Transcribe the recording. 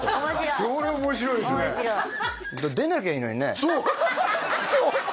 それ面白いですね出なきゃいいのにねそうそう！